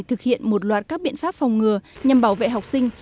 thực hiện một loạt các biện pháp phòng ngừa nhằm bảo vệ học sinh